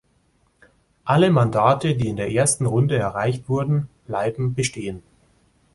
Alle Mandate, die in der ersten Runde erreicht wurden, bleiben bestehen.